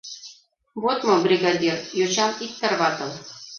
— Вот мо, бригадир, йочам ит тарватыл.